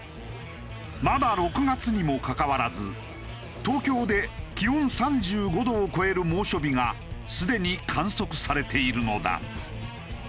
まだ６月にもかかわらず東京で気温３５度を超える猛暑日がすでに観測されているのだ。